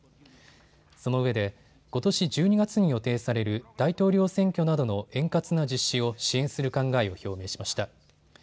そのうえで、ことし１２月に予定される大統領選挙などの円滑な実施を支援する考えを表明しました。